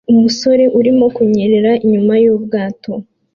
Umusore urimo kunyerera inyuma yubwato